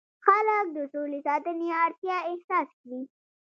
خلک د سولې ساتنې اړتیا احساس کړي.